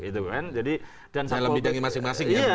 dalam didangnya masing masing ya